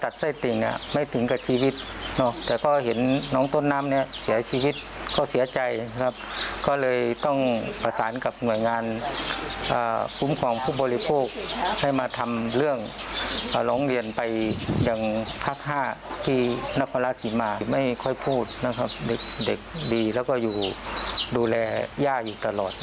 เด็กดีและดูแลย่าอยู่ตลอด